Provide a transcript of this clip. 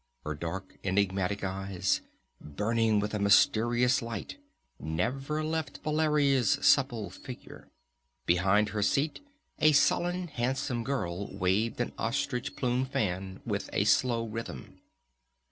Her dark, enigmatic eyes, burning with a mysterious light, never left Valeria's supple figure. Behind her seat a sullen handsome girl waved an ostrich plume fan with a slow rhythm.